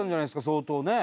相当ね。